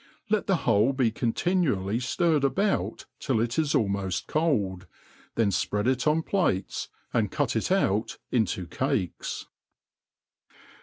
Let the whole be continoally fttrred about till it is almoft cold, then fpreai it on plates, and cut it out into cakes.